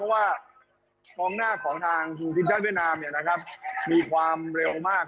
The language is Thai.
เหมาะฮองหน้าของฐางธุรกิจแดดเวียดนามมีความเร็วมาก